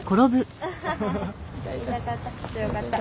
痛かった？